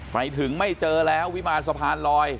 ไปถึงไม่เจอแล้ววิมารสะพานลอย